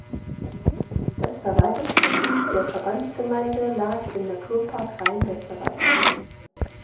Das Verwaltungsgebiet der Verbandsgemeinde lag im Naturpark Rhein-Westerwald.